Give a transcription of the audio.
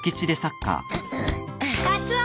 ・カツオ！